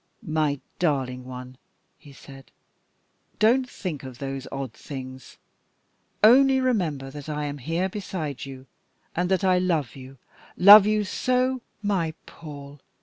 "My darling one," he said, "don't think of those odd things. Only remember that I am here beside you, and that I love you, love you so " "My Paul!"